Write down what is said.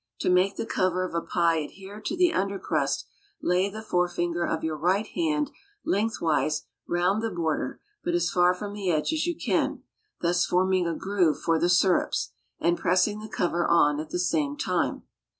To make the cover of a pie adhere to the under crust, lay the forefinger of your right hand lengthwise round the border, but as far from the edge as you can, thus forming a groove for the syrups, and pressing the cover on at the same time.